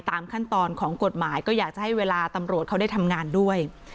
ตามขั้นตอนของกฎหมายก็อยากจะให้เวลาตำรวจเขาได้ทำงานด้วย